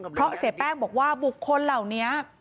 เพราะเสียแป้งบอกว่าบุคคลเหล่านี้